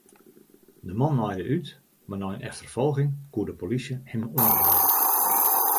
De man naaide út, mar nei in efterfolging koe de polysje him oanhâlde.